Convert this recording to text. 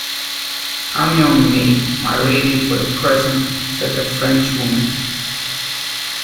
"I am your maid, my Lady, for the present," said the Frenchwoman.